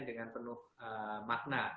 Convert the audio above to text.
dengan penuh makna